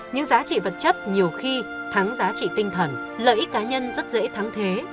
những giá trị vật chất nhiều khi thắng giá trị tinh thần lợi ích cá nhân rất dễ thắng thế